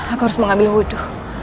aku harus mengambil wudhu